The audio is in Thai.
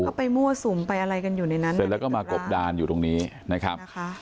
ก็ไปมั่วสุมไปอะไรกันอยู่ในนั้นเสร็จแล้วก็มากบดานอยู่ตรงนี้นะครับนะคะ